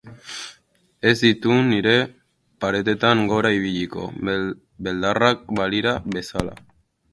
Ez ditun nire paretetan gora ibiliko, beldarrak balira bezala.